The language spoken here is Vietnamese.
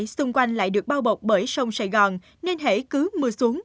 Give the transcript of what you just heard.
xung quanh lại được bao bọc bởi sông sài gòn nên hãy cứ mưa xuống